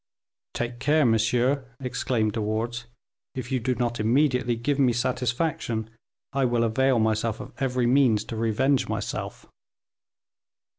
"Take care, monsieur," exclaimed De Wardes; "if you do not immediately give me satisfaction, I will avail myself of every means to revenge myself."